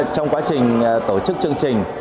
trong quá trình tổ chức chương trình